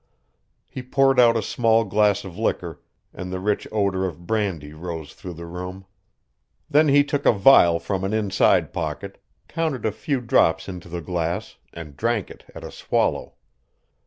He poured out a small glass of liquor, and the rich odor of brandy rose through the room. Then he took a vial from an inside pocket, counted a few drops into the glass, and drank it at a swallow.